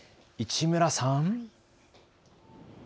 市村さん。